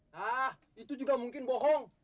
nah itu juga mungkin bohong